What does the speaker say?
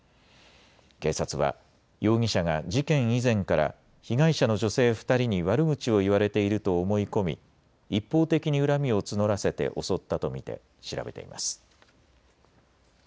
警察は容疑者が事件以前から被害者の女性２人に悪口を言われていると思い込み一方的に恨みを募らせて襲ったと見て調べています。